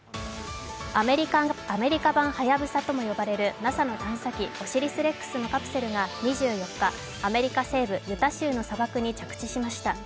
アメリカ版「はやぶさ」とも呼ばれるＮＡＳＡの探査機、「オシリス・レックス」のカプセルが２４日、アメリカ西部ユタ州の砂漠に着地しました。